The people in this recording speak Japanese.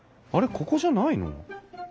ここじゃないの？